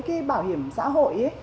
cái bảo hiểm xã hội